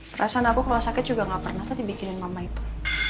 perasaan aku keluar sakit juga gak pernah tadi bikinin mama itu